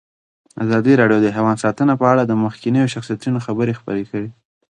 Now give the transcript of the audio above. ازادي راډیو د حیوان ساتنه په اړه د مخکښو شخصیتونو خبرې خپرې کړي.